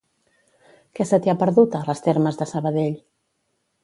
Què se t'hi ha perdut, a Les Termes de Sabadell?